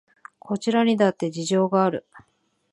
こちらにだって事情がある